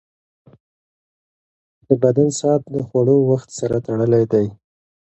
د بدن ساعت د خوړو وخت سره تړلی دی.